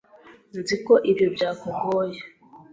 Nzi ko ibyo byakugoye.